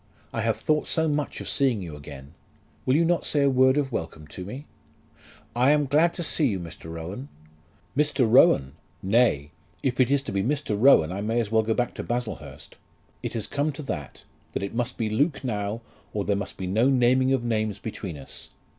I have thought so much of seeing you again! Will you not say a word of welcome to me?" "I am glad to see you, Mr. Rowan." "Mr. Rowan! Nay; if it is to be Mr. Rowan I may as well go back to Baslehurst. It has come to that, that it must be Luke now, or there must be no naming of names between us.